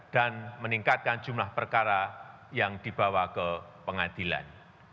dan meningkatkan jumlah perkara yang dibawa ke pengadilan